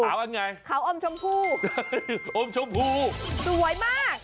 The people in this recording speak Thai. อันไงขาวอมชมพูอมชมพูสวยมาก